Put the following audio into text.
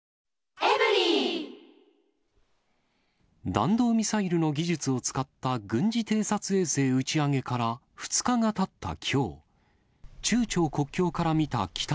弾道ミサイルの技術を使った軍事偵察衛星打ち上げから２日がたったきょう。